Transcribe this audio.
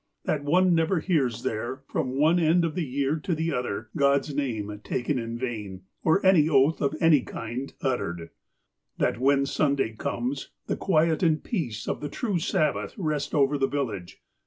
That one never hears there, from one end of the year to the other, God's name taken in vain, or any oath of any kind uttered. That when Sunday comes, the quiet and peace of the true Sabbath rest over the village.